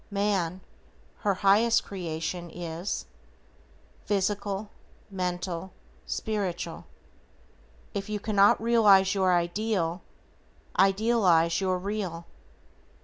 Man, her highest creation is: Physical, Mental, Spiritual. If you cannot realize your ideal, idealize your real.